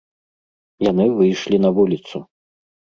Яны выйшлі на вуліцу.